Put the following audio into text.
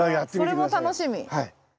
それも楽しみ。